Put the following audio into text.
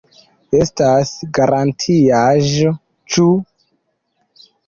Estas garantiaĵo, ĉu?